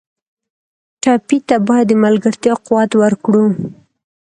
ټپي ته باید د ملګرتیا قوت ورکړو.